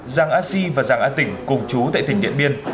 giang a si và giang a tỉnh cùng chú tại tỉnh điện biên